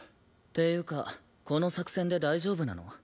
っていうかこの作戦で大丈夫なの？